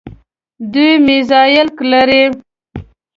دوی میزایل لري.